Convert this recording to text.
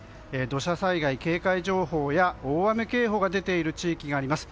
土砂災害警戒情報や大雨警報が出ている地域があります。